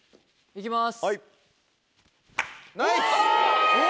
行きます。